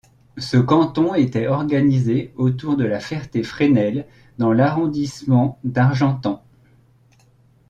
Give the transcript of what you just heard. Ce canton était organisé autour de La Ferté-Frênel dans l'arrondissement d'Argentan.